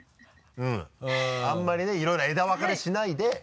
あんまりねいろいろ枝分かれしないで。